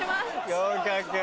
合格。